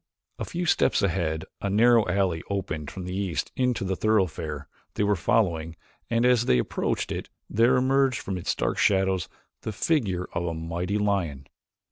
A few steps ahead a narrow alley opened from the east into the thoroughfare they were following and as they approached it there emerged from its dark shadows the figure of a mighty lion.